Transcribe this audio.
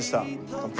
乾杯！